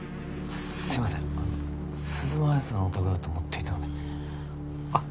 すいません鈴間亜矢さんのお宅だと思っていたのであっ